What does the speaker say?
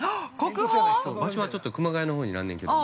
◆場所は、ちょっと熊谷のほうになんねんけども。